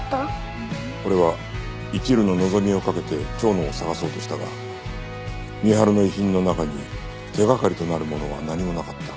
俺は一縷の望みをかけて蝶野を捜そうとしたが美春の遺品の中に手掛かりとなるものは何もなかった。